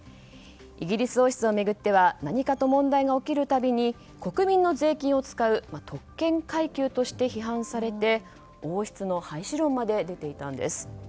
イギリス王室を巡っては何かと問題が起きるたびに国民の税金を使う特権階級として批判されて王室の廃止論まで出ていたんです。